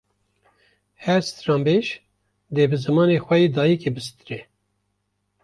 Her stranbêj, dê bi zimanê xwe yê dayikê bistirê